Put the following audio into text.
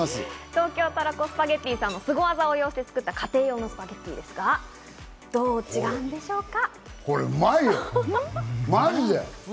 東京たらこスパゲティさんのスゴ技を応用して作った家庭用のたらこスパゲティですが、どう違うんでしょうか？